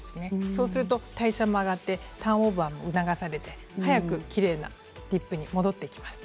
そうすると代謝も上がってターンオーバーも促されて早くきれいなリップに戻っていきます。